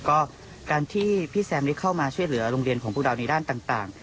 ก็การที่พี่แซมได้เข้ามาช่วยเหลือโรงเรียนของพวกเราในด้านต่าง